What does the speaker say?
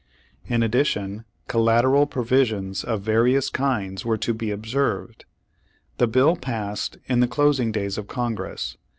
In addition collateral provisions of various kinds were to be observed. The bill passed in the clos ing days of Congress.